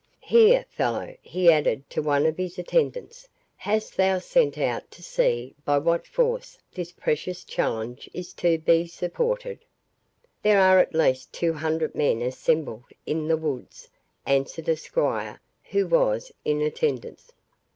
—Here, fellow," he added, to one of his attendants, "hast thou sent out to see by what force this precious challenge is to be supported?" "There are at least two hundred men assembled in the woods," answered a squire who was in attendance.